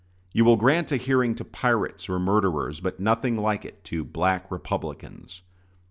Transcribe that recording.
You will grant a hearing to pirates or murderers, but nothing like it to "Black Republicans."